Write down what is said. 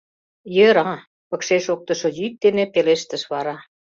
— Йӧра, — пыкше шоктышо йӱк дене пелештыш вара.